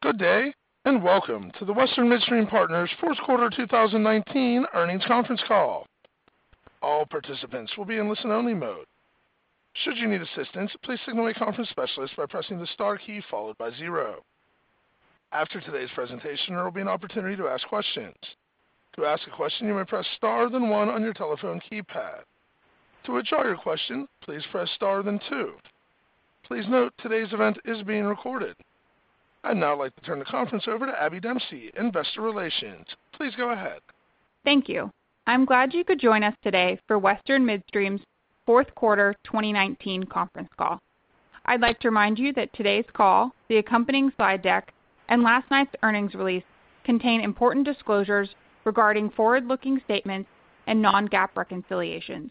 Good day, Welcome to the Western Midstream Partners fourth quarter 2019 earnings conference call. All participants will be in listen only mode. Should you need assistance, please signal a conference specialist by pressing the star key followed by zero. After today's presentation, there will be an opportunity to ask questions. To ask a question, you may press star, then one on your telephone keypad. To withdraw your question, please press star, then two. Please note, today's event is being recorded. I'd now like to turn the conference over to Abby Dempsey, Investor Relations. Please go ahead. Thank you. I'm glad you could join us today for Western Midstream's fourth quarter 2019 conference call. I'd like to remind you that today's call, the accompanying slide deck, and last night's earnings release contain important disclosures regarding forward-looking statements and non-GAAP reconciliations.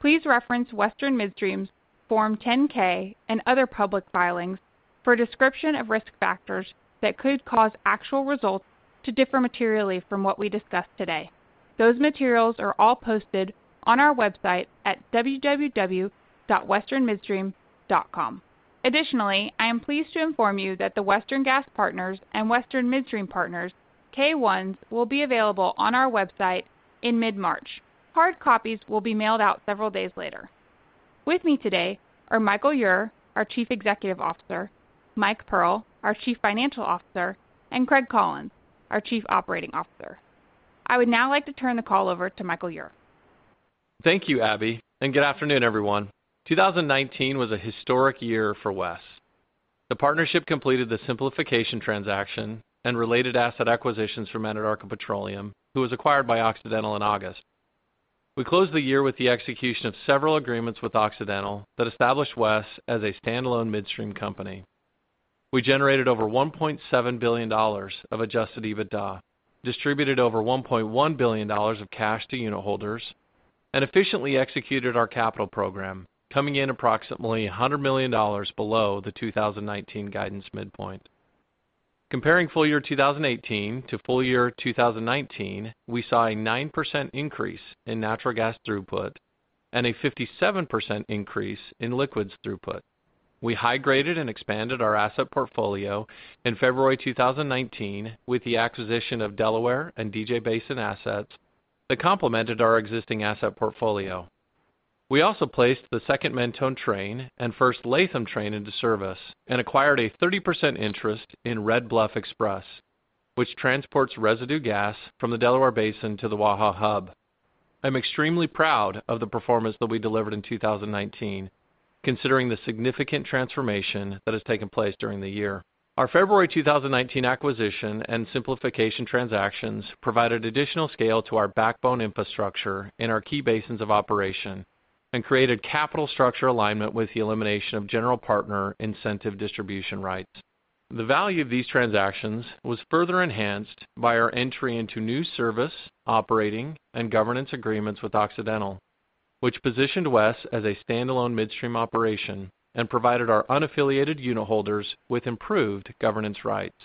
Please reference Western Midstream's Form 10-K and other public filings for a description of risk factors that could cause actual results to differ materially from what we discuss today. Those materials are all posted on our website at www.westernmidstream.com. Additionally, I am pleased to inform you that the Western Gas Partners and Western Midstream Partners K-1s will be available on our website in mid-March. Hard copies will be mailed out several days later. With me today are Michael Ure, our Chief Executive Officer, Mike Pearl, our Chief Financial Officer, and Craig Collins, our Chief Operating Officer. I would now like to turn the call over to Michael Ure. Thank you, Abby, good afternoon, everyone. 2019 was a historic year for WES. The partnership completed the simplification transaction and related asset acquisitions from Anadarko Petroleum, who was acquired by Occidental in August. We closed the year with the execution of several agreements with Occidental that established WES as a standalone midstream company. We generated over $1.7 billion of Adjusted EBITDA, distributed over $1.1 billion of cash to unitholders, and efficiently executed our capital program, coming in approximately $100 million below the 2019 guidance midpoint. Comparing full year 2018 to full year 2019, we saw a 9% increase in natural gas throughput and a 57% increase in liquids throughput. We high-graded and expanded our asset portfolio in February 2019 with the acquisition of Delaware and DJ Basin assets that complemented our existing asset portfolio. We also placed the second Mentone train and first Latham train into service and acquired a 30% interest in Red Bluff Express, which transports residue gas from the Delaware Basin to the Waha hub. I'm extremely proud of the performance that we delivered in 2019, considering the significant transformation that has taken place during the year. Our February 2019 acquisition and simplification transactions provided additional scale to our backbone infrastructure in our key basins of operation and created capital structure alignment with the elimination of general partner incentive distribution rights. The value of these transactions was further enhanced by our entry into new service, operating, and governance agreements with Occidental, which positioned WES as a standalone midstream operation and provided our unaffiliated unitholders with improved governance rights.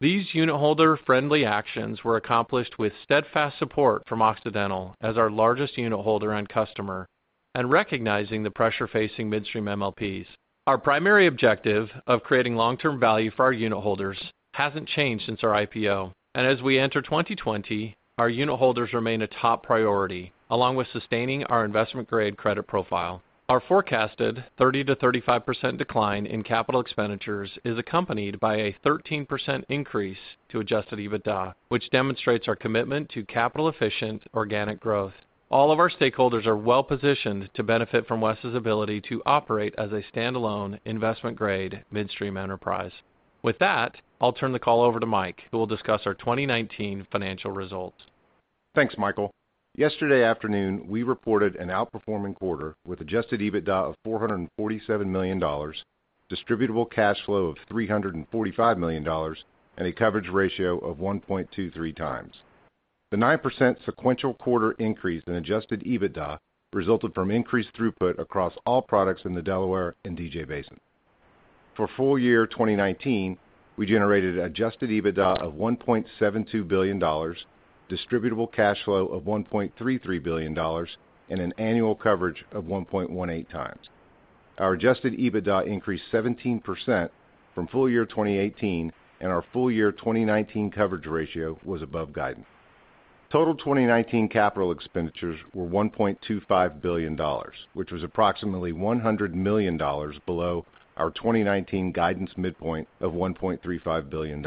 These unitholder-friendly actions were accomplished with steadfast support from Occidental as our largest unitholder and customer and recognizing the pressure facing midstream MLPs. Our primary objective of creating long-term value for our unitholders hasn't changed since our IPO. As we enter 2020, our unitholders remain a top priority, along with sustaining our investment-grade credit profile. Our forecasted 30%-35% decline in capital expenditures is accompanied by a 13% increase to Adjusted EBITDA, which demonstrates our commitment to capital-efficient organic growth. All of our stakeholders are well-positioned to benefit from WES's ability to operate as a standalone investment-grade midstream enterprise. With that, I'll turn the call over to Mike, who will discuss our 2019 financial results. Thanks, Michael. Yesterday afternoon, we reported an outperforming quarter with Adjusted EBITDA of $447 million, distributable cash flow of $345 million, and a coverage ratio of 1.23x. The 9% sequential quarter increase in Adjusted EBITDA resulted from increased throughput across all products in the Delaware and DJ Basin. For full year 2019, we generated Adjusted EBITDA of $1.72 billion, distributable cash flow of $1.33 billion, and an annual coverage of 1.18x. Our Adjusted EBITDA increased 17% from full year 2018, and our full year 2019 coverage ratio was above guidance. Total 2019 capital expenditures were $1.25 billion, which was approximately $100 million below our 2019 guidance midpoint of $1.35 billion.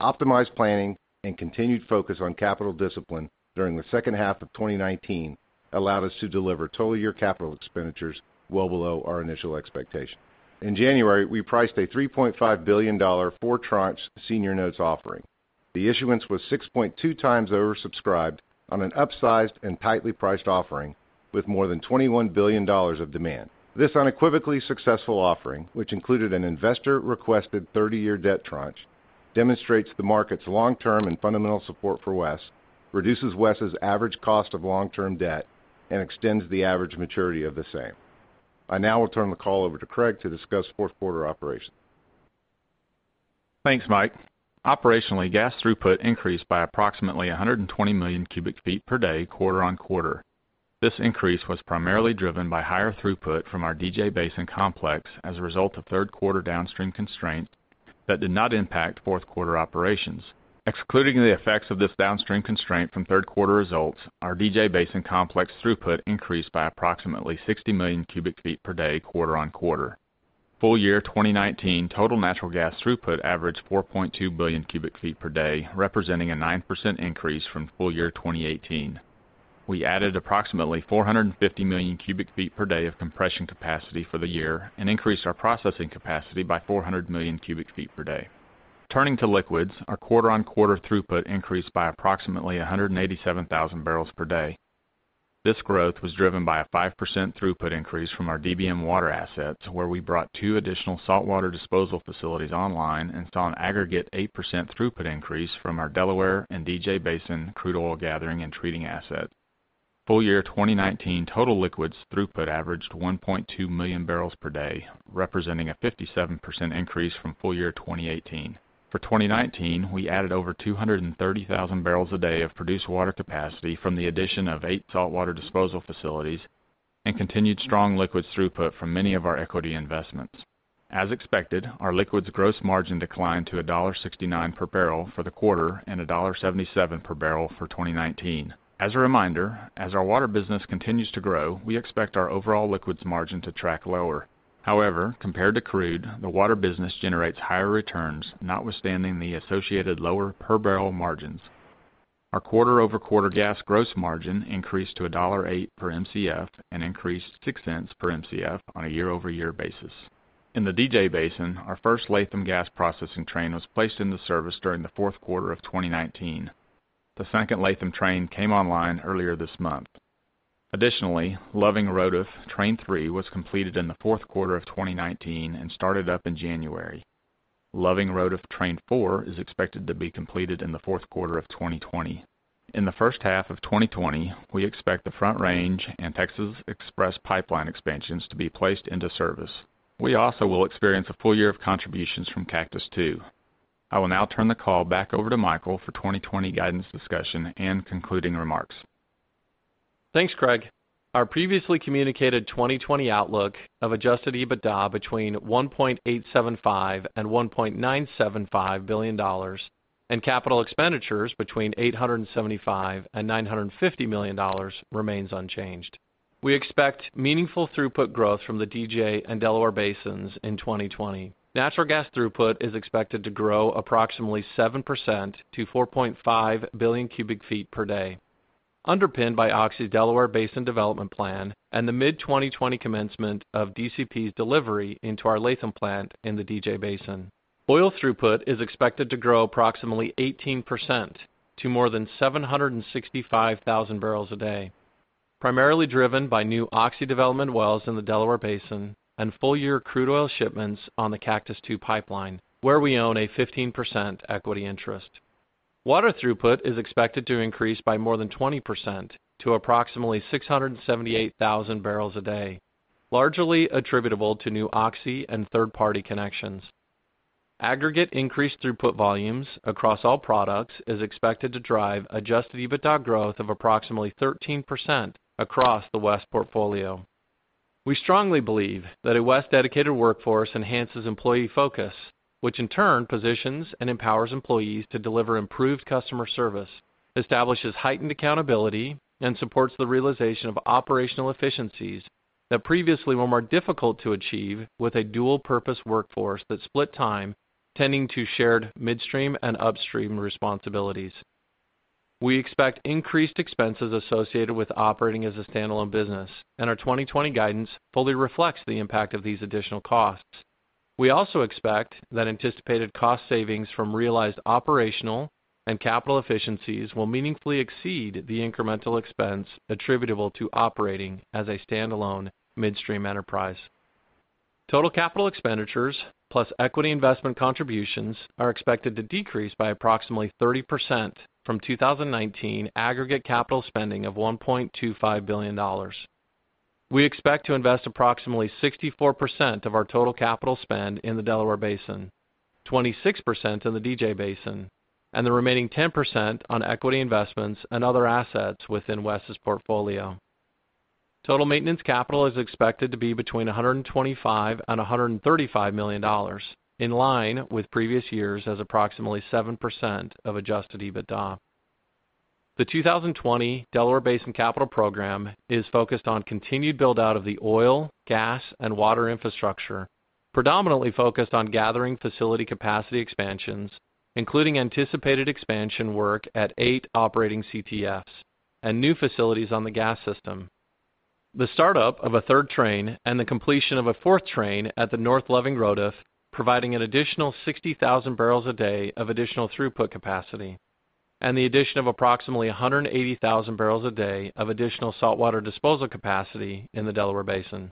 Optimized planning and continued focus on capital discipline during the second half of 2019 allowed us to deliver total year capital expenditures well below our initial expectation. In January, we priced a $3.5 billion four tranche senior notes offering. The issuance was 6.2x oversubscribed on an upsized and tightly priced offering with more than $21 billion of demand. This unequivocally successful offering, which included an investor-requested 30-year debt tranche, demonstrates the market's long-term and fundamental support for WES, reduces WES's average cost of long-term debt, and extends the average maturity of the same. I now will turn the call over to Craig to discuss fourth quarter operations. Thanks, Mike. Operationally, gas throughput increased by approximately 120 million cubic feet per day quarter on quarter. This increase was primarily driven by higher throughput from our DJ Basin complex as a result of third quarter downstream constraints that did not impact fourth quarter operations. Excluding the effects of this downstream constraint from third quarter results, our DJ Basin complex throughput increased by approximately 60 million cubic feet per day quarter on quarter. Full year 2019 total natural gas throughput averaged 4.2 billion cubic feet per day, representing a 9% increase from full year 2018. We added approximately 450 million cubic feet per day of compression capacity for the year and increased our processing capacity by 400 million cubic feet per day. Turning to liquids, our quarter on quarter throughput increased by approximately 187,000 barrels per day. This growth was driven by a 5% throughput increase from our DBM water assets, where we brought two additional saltwater disposal facilities online and saw an aggregate 8% throughput increase from our Delaware and DJ Basin crude oil gathering and treating assets. Full year 2019 total liquids throughput averaged 1.2 million barrels per day, representing a 57% increase from full year 2018. For 2019, we added over 230,000 barrels a day of produced water capacity from the addition of eight saltwater disposal facilities and continued strong liquids throughput from many of our equity investments. As expected, our liquids gross margin declined to $1.69 per barrel for the quarter and $1.77 per barrel for 2019. As a reminder, as our water business continues to grow, we expect our overall liquids margin to track lower. However, compared to crude, the water business generates higher returns, notwithstanding the associated lower per-barrel margins. Our quarter-over-quarter gas gross margin increased to $1.08 per Mcf and increased $0.06 per Mcf on a year-over-year basis. In the DJ Basin, our first Latham gas processing train was placed into service during the fourth quarter of 2019. The second Latham train came online earlier this month. Additionally, Loving ROTF Train 3 was completed in the fourth quarter of 2019 and started up in January. Loving ROTF Train 4 is expected to be completed in the fourth quarter of 2020. In the first half of 2020, we expect the Front Range and Texas Express pipeline expansions to be placed into service. We also will experience a full year of contributions from Cactus II. I will now turn the call back over to Michael for 2020 guidance discussion and concluding remarks. Thanks, Craig. Our previously communicated 2020 outlook of Adjusted EBITDA between $1.875 billion and $1.975 billion and capital expenditures between $875 million and $950 million remains unchanged. We expect meaningful throughput growth from the DJ and Delaware Basins in 2020. Natural gas throughput is expected to grow approximately 7% to 4.5 billion cubic feet per day, underpinned by Oxy's Delaware Basin development plan and the mid-2020 commencement of DCP's delivery into our Latham plant in the DJ Basin. Oil throughput is expected to grow approximately 18% to more than 765,000 barrels a day, primarily driven by new Oxy development wells in the Delaware Basin and full-year crude oil shipments on the Cactus II Pipeline, where we own a 15% equity interest. Water throughput is expected to increase by more than 20% to approximately 678,000 barrels a day, largely attributable to new Oxy and third-party connections. Aggregate increased throughput volumes across all products is expected to drive Adjusted EBITDA growth of approximately 13% across the West portfolio. We strongly believe that a West-dedicated workforce enhances employee focus, which in turn positions and empowers employees to deliver improved customer service, establishes heightened accountability, and supports the realization of operational efficiencies that previously were more difficult to achieve with a dual-purpose workforce that split time tending to shared midstream and upstream responsibilities. We expect increased expenses associated with operating as a standalone business, and our 2020 guidance fully reflects the impact of these additional costs. We also expect that anticipated cost savings from realized operational and capital efficiencies will meaningfully exceed the incremental expense attributable to operating as a standalone midstream enterprise. Total capital expenditures plus equity investment contributions are expected to decrease by approximately 30% from 2019 aggregate capital spending of $1.25 billion. We expect to invest approximately 64% of our total capital spend in the Delaware Basin, 26% in the DJ Basin, and the remaining 10% on equity investments and other assets within West's portfolio. Total maintenance capital is expected to be between $125 million and $135 million, in line with previous years as approximately 7% of Adjusted EBITDA. The 2020 Delaware Basin capital program is focused on continued build-out of the oil, gas, and water infrastructure, predominantly focused on gathering facility capacity expansions, including anticipated expansion work at eight operating CTFs and new facilities on the gas system. The startup of a 3rd train and the completion of a 4th train at the North Loving-ROTF, providing an additional 60,000 barrels a day of additional throughput capacity and the addition of approximately 180,000 barrels a day of additional saltwater disposal capacity in the Delaware Basin.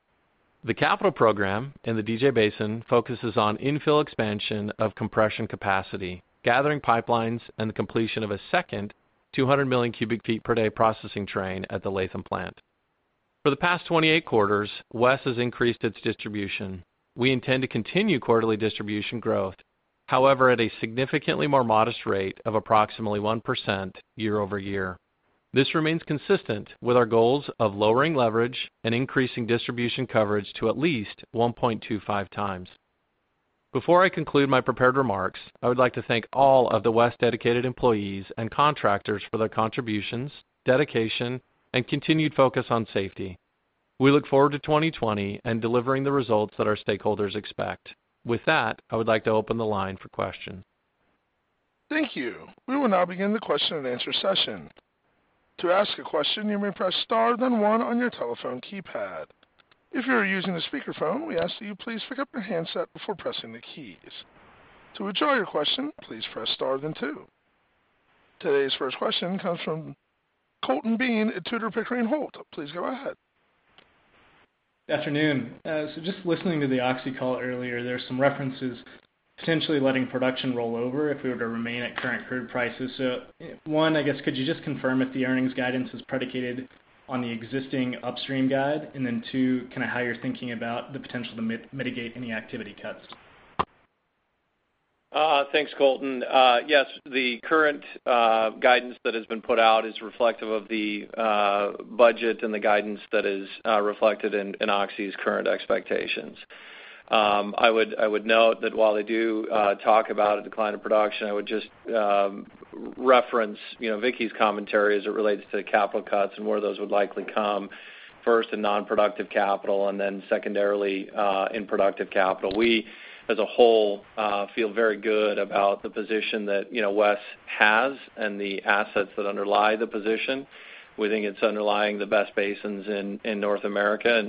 The capital program in the DJ Basin focuses on infill expansion of compression capacity, gathering pipelines, and the completion of a second 200 million cubic feet per day processing train at the Latham plant. For the past 28 quarters, WES has increased its distribution. We intend to continue quarterly distribution growth, however, at a significantly more modest rate of approximately 1% year-over-year. This remains consistent with our goals of lowering leverage and increasing distribution coverage to at least 1.25x. Before I conclude my prepared remarks, I would like to thank all of the WES-dedicated employees and contractors for their contributions, dedication, and continued focus on safety. We look forward to 2020 and delivering the results that our stakeholders expect. With that, I would like to open the line for questions. Thank you. We will now begin the question and answer session. Today's 1st question comes from Colton Bean at Tudor, Pickering, Holt. Please go ahead. Good afternoon. Just listening to the Oxy call earlier, there are some references potentially letting production roll over if we were to remain at current crude prices. One, I guess could you just confirm if the earnings guidance is predicated on the existing upstream guide? Two, kind of how you're thinking about the potential to mitigate any activity cuts? Thanks, Colton. The current guidance that has been put out is reflective of the budget and the guidance that is reflected in OXY's current expectations. I would note that while they do talk about a decline of production, I would just reference Vicki's commentary as it relates to capital cuts and where those would likely come first in non-productive capital, and then secondarily in productive capital. We, as a whole, feel very good about the position that WES has and the assets that underlie the position. We think it's underlying the best basins in North America,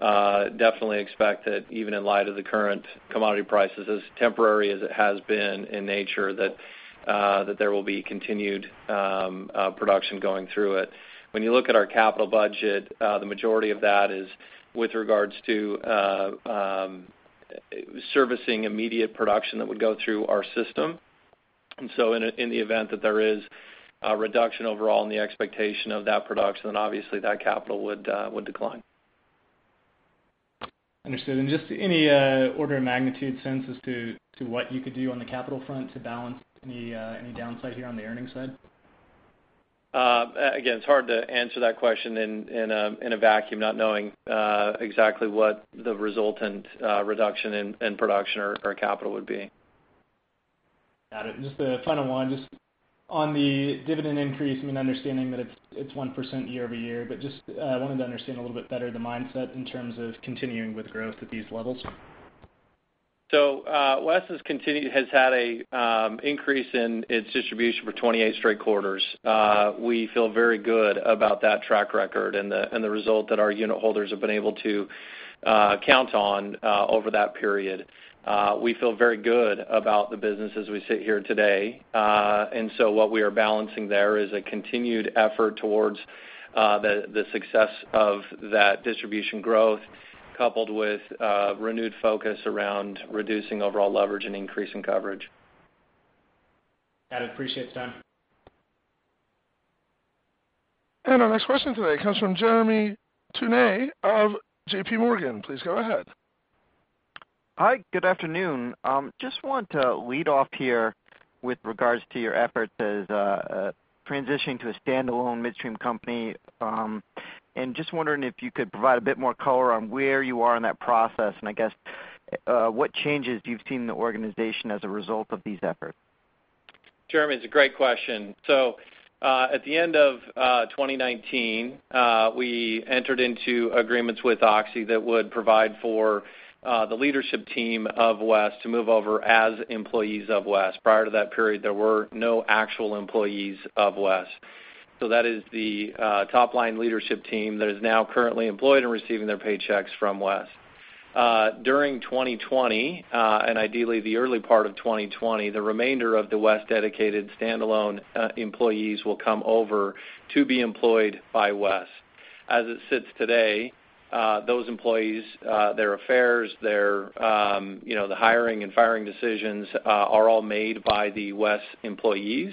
definitely expect that even in light of the current commodity prices, as temporary as it has been in nature, that there will be continued production going through it. When you look at our capital budget, the majority of that is with regards to servicing immediate production that would go through our system. In the event that there is a reduction overall in the expectation of that production, obviously that capital would decline. Just any order of magnitude sense as to what you could do on the capital front to balance any downside here on the earnings side? Again, it's hard to answer that question in a vacuum, not knowing exactly what the resultant reduction in production or capital would be. Got it. Just the final one, just on the dividend increase, I mean, understanding that it is 1% year-over-year, but just wanted to understand a little bit better the mindset in terms of continuing with growth at these levels. WES has had an increase in its distribution for 28 straight quarters. We feel very good about that track record and the result that our unitholders have been able to count on over that period. We feel very good about the business as we sit here today. What we are balancing there is a continued effort towards the success of that distribution growth coupled with renewed focus around reducing overall leverage and increasing coverage. Got it. Appreciate the time. Our next question today comes from Jeremy Tonet of JPMorgan. Please go ahead. Hi, good afternoon. Just want to lead off here with regards to your efforts as transitioning to a standalone midstream company. Just wondering if you could provide a bit more color on where you are in that process, and I guess what changes you've seen in the organization as a result of these efforts? Jeremy, it's a great question. At the end of 2019, we entered into agreements with Oxy that would provide for the leadership team of WES to move over as employees of WES. Prior to that period, there were no actual employees of WES. That is the top-line leadership team that is now currently employed and receiving their paychecks from WES. During 2020, ideally the early part of 2020, the remainder of the WES-dedicated standalone employees will come over to be employed by WES. As it sits today, those employees, their affairs, the hiring and firing decisions are all made by the WES employees.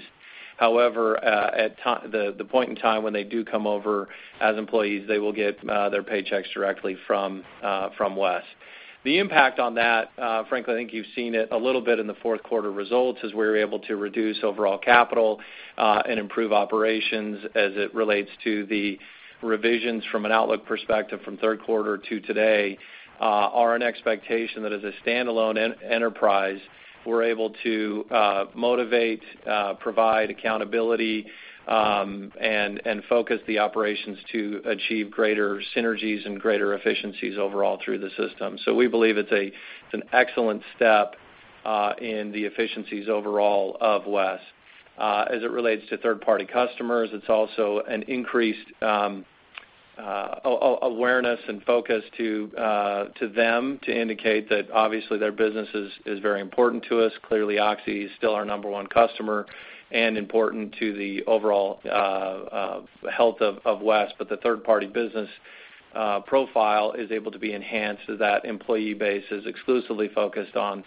However, at the point in time when they do come over as employees, they will get their paychecks directly from WES. The impact on that, frankly, I think you've seen it a little bit in the fourth quarter results as we were able to reduce overall capital and improve operations as it relates to the revisions from an outlook perspective from third quarter to today, are an expectation that as a standalone enterprise, we're able to motivate, provide accountability, and focus the operations to achieve greater synergies and greater efficiencies overall through the system. We believe it's an excellent step in the efficiencies overall of WES. As it relates to third-party customers, it's also an increased awareness and focus to them to indicate that obviously their business is very important to us. Clearly, OXY is still our number one customer and important to the overall health of WES, but the third-party business profile is able to be enhanced as that employee base is exclusively focused on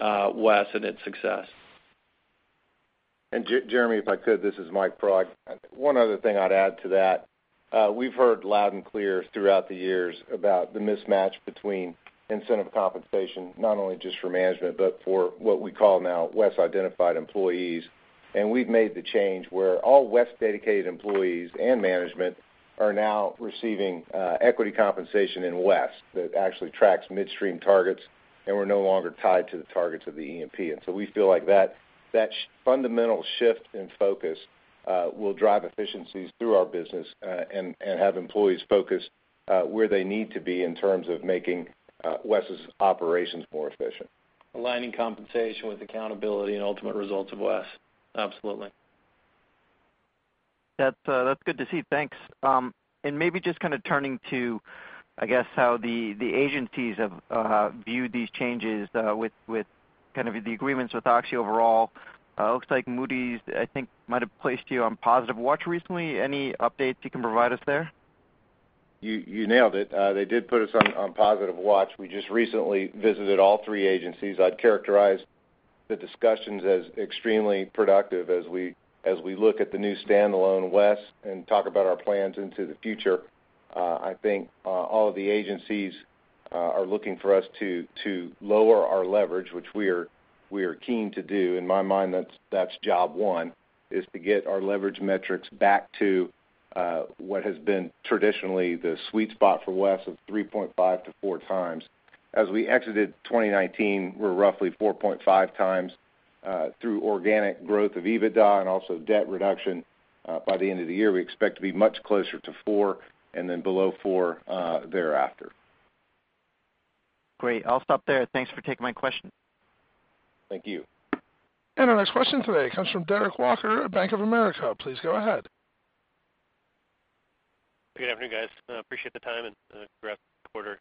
WES and its success. Jeremy, if I could, this is Mike Pearl. One other thing I'd add to that. We've heard loud and clear throughout the years about the mismatch between incentive compensation, not only just for management, but for what we call now WES-identified employees. We've made the change where all WES-dedicated employees and management are now receiving equity compensation in WES that actually tracks midstream targets, and we're no longer tied to the targets of the E&P. We feel like that fundamental shift in focus will drive efficiencies through our business, and have employees focused where they need to be in terms of making WES's operations more efficient. Aligning compensation with accountability and ultimate results of WES. Absolutely. That's good to see. Thanks. Maybe just kind of turning to, I guess, how the agencies have viewed these changes with the agreements with Oxy overall. It looks like Moody's, I think, might have placed you on positive watch recently. Any updates you can provide us there? You nailed it. They did put us on positive watch. We just recently visited all three agencies. I'd characterize the discussions as extremely productive as we look at the new standalone WES and talk about our plans into the future. I think all of the agencies are looking for us to lower our leverage, which we are keen to do. In my mind, that's job one is to get our leverage metrics back to what has been traditionally the sweet spot for WES of 3.5x-4x. As we exited 2019, we're roughly 4.5x. Through organic growth of EBITDA and also debt reduction, by the end of the year, we expect to be much closer to 4x and then below 4x thereafter. Great. I'll stop there. Thanks for taking my question. Thank you. Our next question today comes from Derek Walker at Bank of America. Please go ahead. Good afternoon, guys. I appreciate the time and throughout the quarter.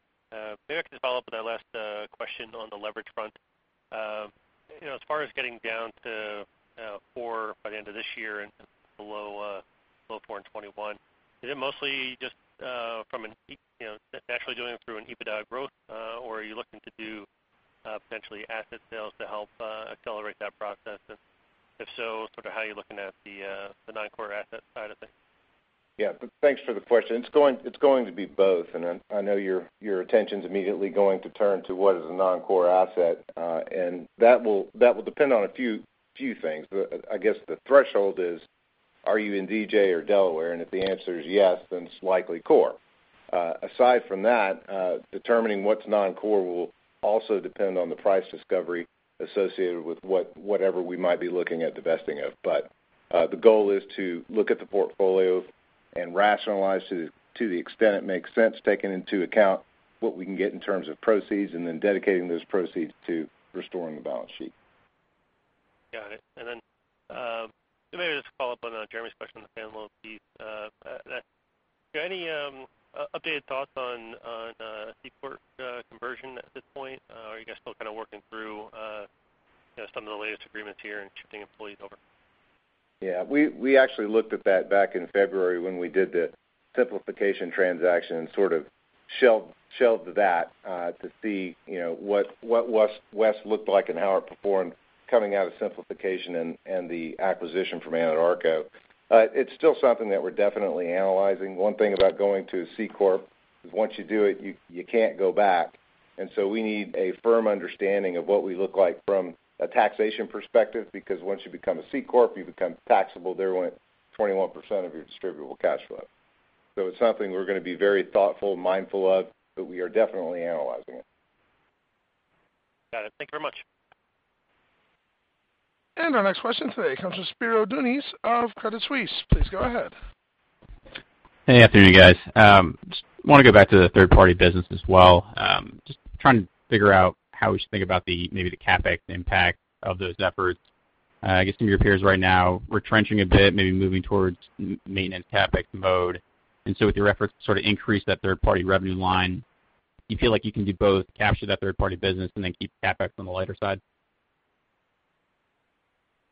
Maybe I can follow up on that last question on the leverage front. As far as getting down to four by the end of this year and below four in 2021, is it mostly just from naturally doing it through an Adjusted EBITDA growth? Are you looking to do potentially asset sales to help accelerate that process? If so, sort of how are you looking at the non-core asset side of things? Yeah. Thanks for the question. It's going to be both. I know your attention's immediately going to turn to what is a non-core asset. That will depend on a few things. I guess the threshold is, are you in DJ or Delaware? If the answer is yes, then it's likely core. Aside from that, determining what's non-core will also depend on the price discovery associated with whatever we might be looking at divesting of. The goal is to look at the portfolio and rationalize to the extent it makes sense, taking into account what we can get in terms of proceeds, and then dedicating those proceeds to restoring the balance sheet. Got it. Then maybe just to follow up on Jeremy's question on the standalone piece. Any updated thoughts on C-corp conversion at this point? Are you guys still kind of working through some of the latest agreements here and shifting employees over? Yeah. We actually looked at that back in February when we did the simplification transaction and sort of shelved that to see what WES looked like and how it performed coming out of simplification and the acquisition from Anadarko. It's still something that we're definitely analyzing. One thing about going to a C-corp is once you do it, you can't go back. We need a firm understanding of what we look like from a taxation perspective, because once you become a C-corp, you become taxable there on 21% of your distributable cash flow. It's something we're going to be very thoughtful and mindful of, but we are definitely analyzing it. Got it. Thank you very much. Our next question today comes from Spiro Dounis of Credit Suisse. Please go ahead. Hey, afternoon, guys. Just want to go back to the third-party business as well. Just trying to figure out how we should think about maybe the CapEx impact of those efforts. I guess some of your peers right now are retrenching a bit, maybe moving towards maintenance CapEx mode. With your efforts to sort of increase that third-party revenue line, you feel like you can do both, capture that third-party business, and then keep CapEx on the lighter side?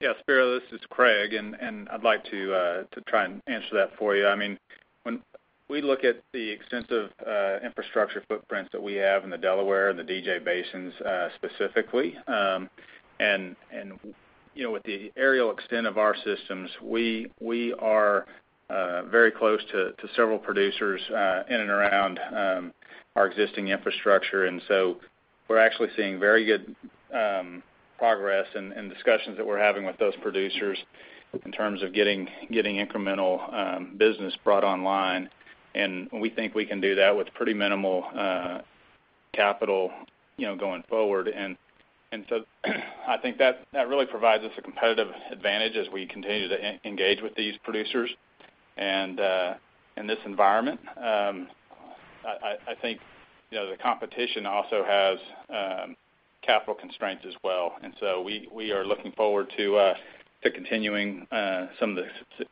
Yeah, Spiro, this is Craig. I'd like to try and answer that for you. When we look at the extensive infrastructure footprints that we have in the Delaware and the DJ Basins, specifically, and with the aerial extent of our systems, we are very close to several producers in and around our existing infrastructure. We're actually seeing very good progress in discussions that we're having with those producers in terms of getting incremental business brought online. We think we can do that with pretty minimal capital going forward. I think that really provides us a competitive advantage as we continue to engage with these producers. In this environment, I think the competition also has capital constraints as well. We are looking forward to continuing some of the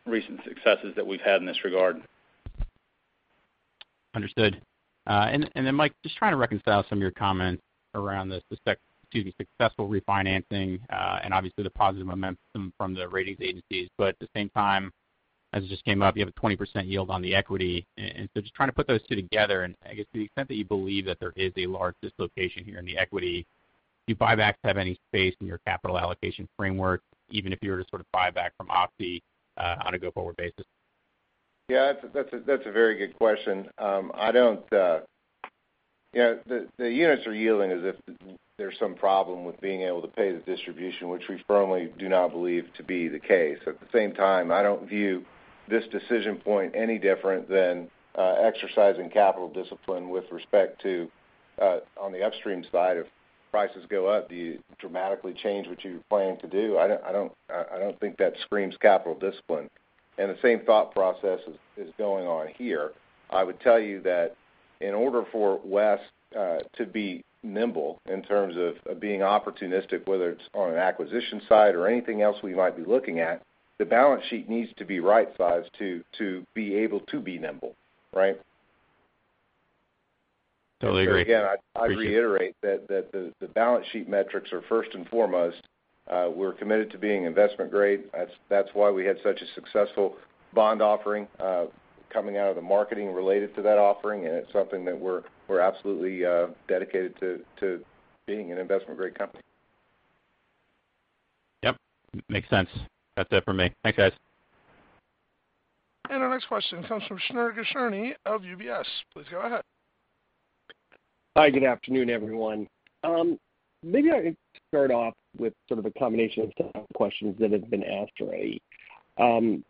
recent successes that we've had in this regard. Understood. Mike, just trying to reconcile some of your comments around the successful refinancing, and obviously the positive momentum from the ratings agencies. At the same time, as it just came up, you have a 20% yield on the equity. Just trying to put those two together, and I guess to the extent that you believe that there is a large dislocation here in the equity, do buybacks have any space in your capital allocation framework, even if you were to sort of buy back from Oxy on a go-forward basis? Yeah. That's a very good question. The units are yielding as if there's some problem with being able to pay the distribution, which we firmly do not believe to be the case. I don't view this decision point any different than exercising capital discipline with respect to, on the upstream side, if prices go up, do you dramatically change what you plan to do? I don't think that screams capital discipline. The same thought process is going on here. I would tell you that in order for WES to be nimble in terms of being opportunistic, whether it's on an acquisition side or anything else we might be looking at, the balance sheet needs to be right-sized to be able to be nimble. Right? Totally agree. Appreciate it. Again, I'd reiterate that the balance sheet metrics are first and foremost. We're committed to being investment-grade. That's why we had such a successful bond offering, coming out of the marketing related to that offering, and it's something that we're absolutely dedicated to being an investment-grade company. Yep. Makes sense. That's it for me. Thanks, guys. Our next question comes from Shneur Gershuni of UBS. Please go ahead. Hi. Good afternoon, everyone. Maybe I could start off with sort of a combination of questions that have been asked already. I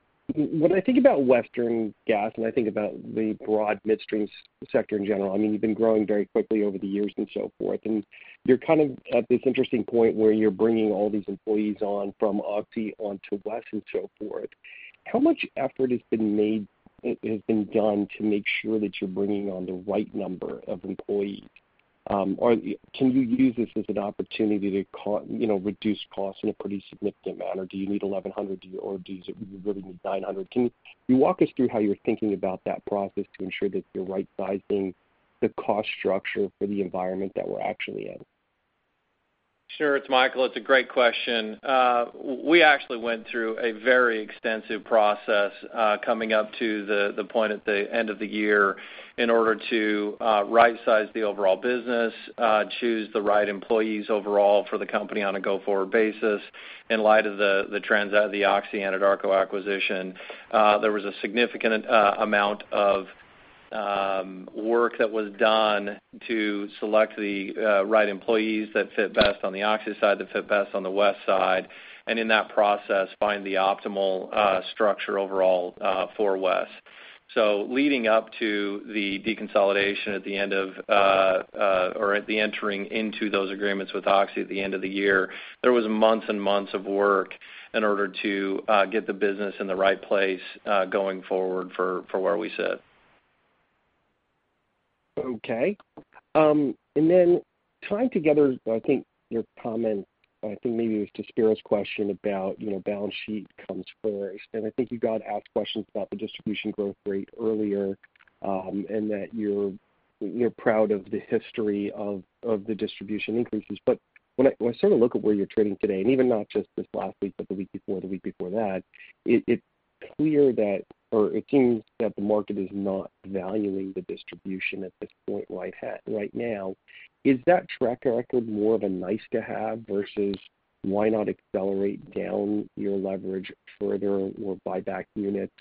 think about Western Midstream, and I think about the broad midstream sector in general, you've been growing very quickly over the years and so forth. You're kind of at this interesting point where you're bringing all these employees on from Oxy onto WES and so forth. How much effort has been done to make sure that you're bringing on the right number of employees? Can you use this as an opportunity to reduce costs in a pretty significant manner? Do you need 1,100, or do you really need 900? Can you walk us through how you're thinking about that process to ensure that you're right-sizing the cost structure for the environment that we're actually in? It's Michael. It's a great question. We actually went through a very extensive process, coming up to the point at the end of the year in order to right-size the overall business, choose the right employees overall for the company on a go-forward basis in light of the trends out of the Oxy Anadarko acquisition. There was a significant amount of work that was done to select the right employees that fit best on the Oxy side, that fit best on the WES side, and in that process, find the optimal structure overall for WES. Leading up to the deconsolidation or the entering into those agreements with Oxy at the end of the year, there was months and months of work in order to get the business in the right place going forward for where we sit. Okay. Tying together, I think your comment, I think maybe it was to Spiro's question about balance sheet comes first, and I think you got asked questions about the distribution growth rate earlier, and that you're proud of the history of the distribution increases. When I sort of look at where you're trading today, and even not just this last week, but the week before, the week before that, it seems that the market is not valuing the distribution at this point right now. Is that track record more of a nice-to-have versus why not accelerate down your leverage further or buy back units?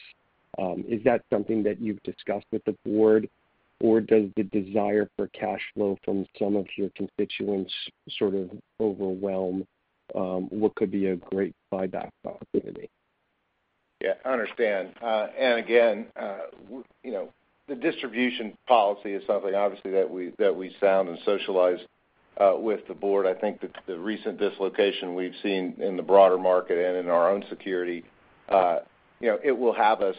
Is that something that you've discussed with the board? Does the desire for cash flow from some of your constituents sort of overwhelm what could be a great buyback opportunity? Yeah, I understand. Again, the distribution policy is something, obviously, that we sound and socialize with the board. I think that the recent dislocation we've seen in the broader market and in our own security, it will have us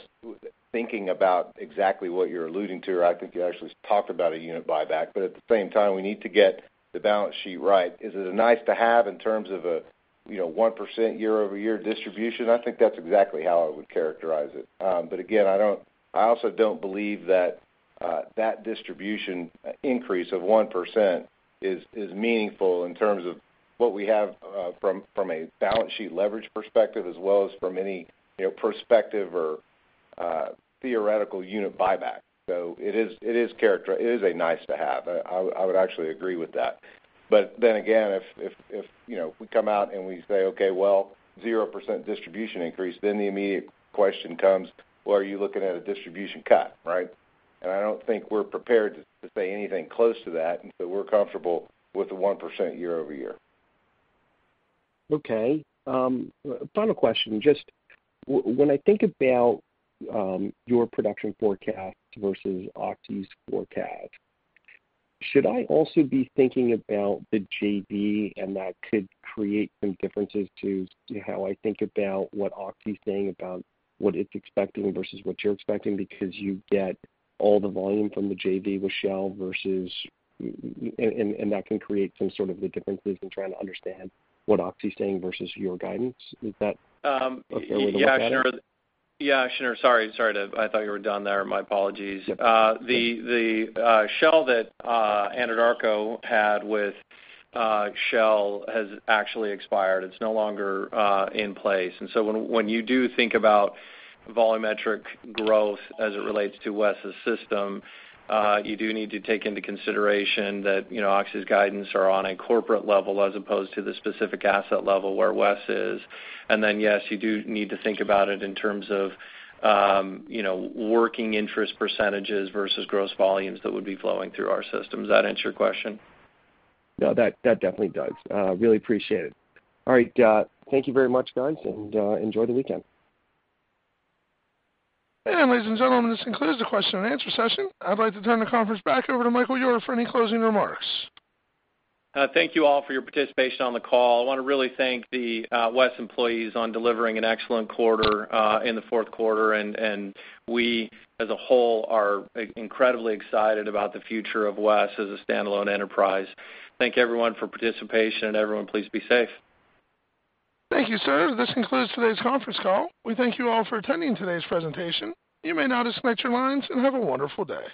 thinking about exactly what you're alluding to. I think you actually talked about a unit buyback. At the same time, we need to get the balance sheet right. Is it a nice-to-have in terms of a 1% year-over-year distribution? I think that's exactly how I would characterize it. Again, I also don't believe that that distribution increase of 1% is meaningful in terms of what we have from a balance sheet leverage perspective as well as from any perspective or theoretical unit buyback. It is a nice-to-have. I would actually agree with that. If we come out and we say, okay, well, 0% distribution increase, then the immediate question comes, well, are you looking at a distribution cut, right? I don't think we're prepared to say anything close to that. So we're comfortable with the 1% year-over-year. Final question. Just when I think about your production forecast versus Oxy's forecast, should I also be thinking about the JV and that could create some differences to how I think about what Oxy's saying about what it's expecting versus what you're expecting because you get all the volume from the JV with Shell versus that can create some sort of the differences in trying to understand what Oxy's saying versus your guidance. Is that a fair way to look at it? Yeah. Shneur, sorry. I thought you were done there. My apologies. Yep. The Shell that Anadarko had with Shell has actually expired. It's no longer in place. When you do think about volumetric growth as it relates to WES' system, you do need to take into consideration that Oxy's guidance are on a corporate level as opposed to the specific asset level where WES is. Yes, you do need to think about it in terms of working interest percentages versus gross volumes that would be flowing through our system. Does that answer your question? No, that definitely does. Really appreciate it. All right. Thank you very much, guys, and enjoy the weekend. Ladies and gentlemen, this concludes the question and answer session. I'd like to turn the conference back over to Michael Ure for any closing remarks. Thank you all for your participation on the call. I want to really thank the WES employees on delivering an excellent quarter in the fourth quarter. We as a whole are incredibly excited about the future of WES as a standalone enterprise. Thank you everyone for participation, and everyone please be safe. Thank you, sir. This concludes today's conference call. We thank you all for attending today's presentation. You may now disconnect your lines, and have a wonderful day.